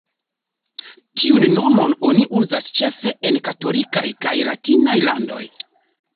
Tiun nomon oni uzas ĉefe en katolikaj kaj latinaj landoj.